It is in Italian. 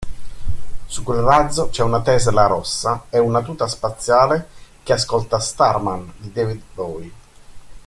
Su quel razzo c'è una Tesla rossa e una tuta spaziale che ascolta Starman di David Bowie.